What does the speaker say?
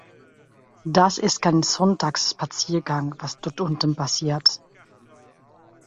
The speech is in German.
Das ist kein Sonntagsspaziergang, was dort unten passiert.